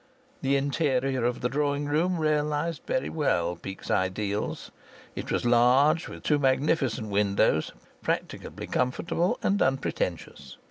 The interior of the drawing room realized very well Peake's ideals. It was large, with two magnificent windows, practicably comfortable, and unpretentious.